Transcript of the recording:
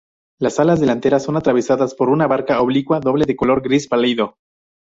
Las alas delanteras son atravesadas por una barra oblicua doble de color gris pálido.